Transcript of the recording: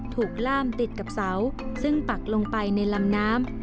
ล่ามติดกับเสาซึ่งปักลงไปในลำน้ำ